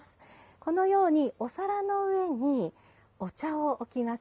このようにお皿の上にお茶を置きます。